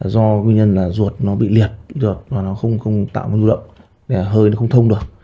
do nguyên nhân là ruột nó bị liệt nó không tạo ngu lậm hơi nó không thông được